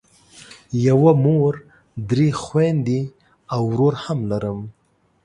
یوه مور درې خویندې او ورور هم لرم.